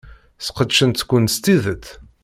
Sqedcent-ken s tidet.